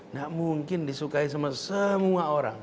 nggak mungkin disukai sama semua orang